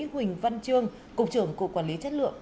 huỳnh văn trương cục trưởng cục quản lý chất lượng